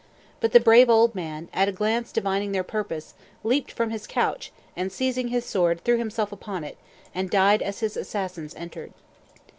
But the brave old man, at a glance divining their purpose, leaped from his couch and, seizing his sword, threw himself upon it, and died as his assassins entered.